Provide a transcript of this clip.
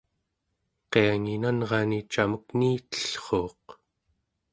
qianginanrani camek niitellruuq